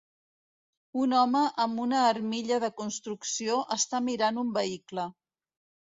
Un home amb una armilla de construcció està mirant un vehicle.